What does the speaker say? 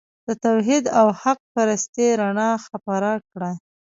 د توحید او حق پرستۍ رڼا خپره کړه.